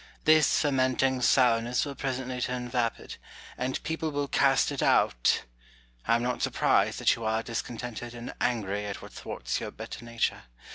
This fermenting sour ness will presently turn vapid, and people will cast it out. I am not surprised that you are discontented and angry at what thwarts your better nature.